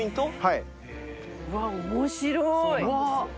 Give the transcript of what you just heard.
うわっ面白い。